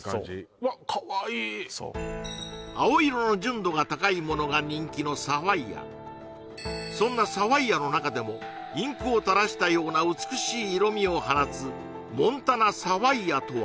うわっかわいい青色の純度が高いものが人気のサファイアそんなサファイアの中でもインクを垂らしたような美しい色味を放つモンタナサファイアとは？